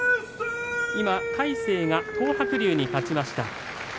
今、魁聖が東白龍に勝ちました。